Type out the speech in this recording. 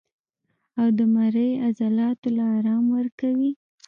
او د مرۍ عضلاتو له ارام ورکوي